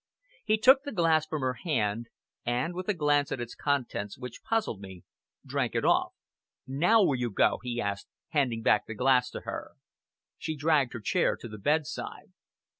He took the glass from her hand, and, with a glance at its contents which puzzled me, drank it off. "Now will you go?" he asked, handing back the glass to her. She dragged her chair to the bedside.